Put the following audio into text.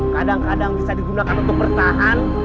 kadang kadang bisa digunakan untuk bertahan